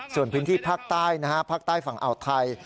ส่วนพื้นที่ภาคใต้นะฮะภาคใต้ฝั่งอ่าวไทย